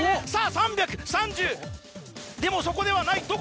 さぁ３３０でもそこではない。